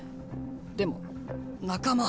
でも仲間。